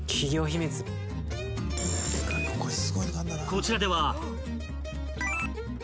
［こちらでは］